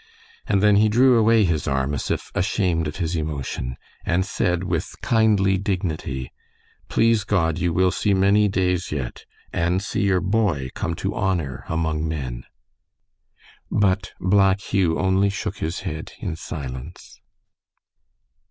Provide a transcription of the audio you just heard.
And then he drew away his arm as if ashamed of his emotion, and said, with kindly dignity, "Please God, you will see many days yet, and see your boy come to honor among men." But Black Hugh only shook his head in silence.